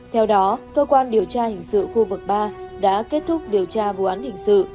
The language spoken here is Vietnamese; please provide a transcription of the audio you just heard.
theo đó cơ quan điều tra hình sự khu vực ba đã kết thúc điều tra vụ án hình sự